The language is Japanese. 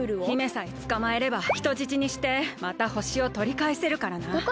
姫さえつかまえれば人質にしてまたほしをとりかえせるからな。